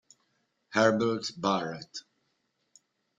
Herbert Barrett